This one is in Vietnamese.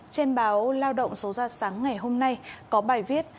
trên báo lao động số ra sáng ngày hôm nay có bài viết